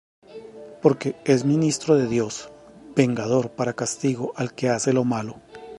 porque es ministro de Dios, vengador para castigo al que hace lo malo.